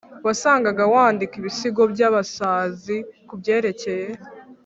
wasangaga wandika ibisigo byabasazi kubyerekeye